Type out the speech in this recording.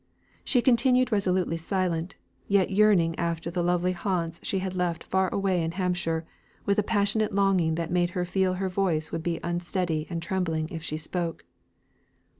She continued resolutely silent; yearning after the lovely haunts she had left far away in Hampshire, with a passionate longing that made her feel her voice would be unsteady and trembling if she spoke.